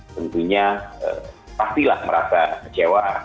tentunya pastilah merasa kecewa